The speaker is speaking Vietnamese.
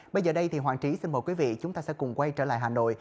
bây giờ đây thì hoàng trí xin mời quý vị chúng ta sẽ cùng quay trở lại hà nội